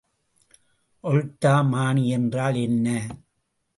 ஒல்ட்டாமானி என்றால் என்ன?